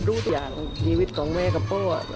ทุกอย่างชีวิตของแม่กับพ่อ